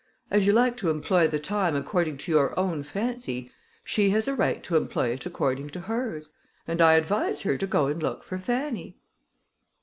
As you like to employ the time according to your own fancy, she has a right to employ it according to hers, and I advise her to go and look for Fanny."